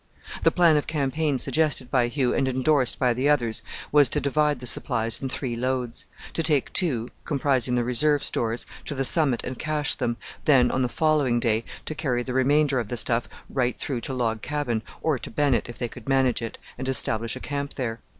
The plan of campaign suggested by Hugh and endorsed by the others was to divide the supplies in three loads; to take two, comprising the reserve stores, to the summit and cache them; then, on the following day, to carry the remainder of the stuff right through to Log Cabin, or to Bennett if they could manage it, and establish a camp there.